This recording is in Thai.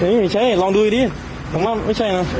ไม่ใช่ลองดูดีผมว่าไม่ใช่นะ